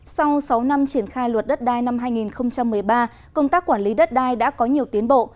sau sáu năm triển khai luật đất đai năm hai nghìn một mươi ba công tác quản lý đất đai đã có nhiều tiến bộ